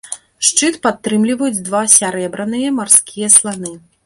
Шчыт падтрымліваюць два сярэбраныя марскія сланы.